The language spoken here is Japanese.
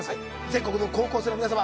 全国の高校生の皆様